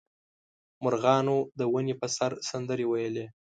مرغانو د ونې په سر سندرې ویلې.